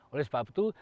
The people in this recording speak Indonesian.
oleh sebab itu